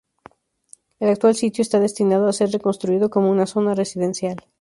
El actual sitio está destinado a ser reconstruido como una zona residencial.